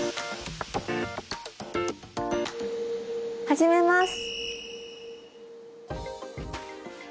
始めます。